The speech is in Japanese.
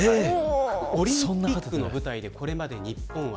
オリンピックの舞台でこれまで日本は